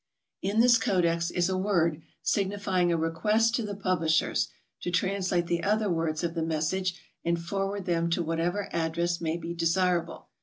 In this Codex is a word signifying a requesit to the pub lishers to translate the other words of the message and for ward them to whatever address may be desirable.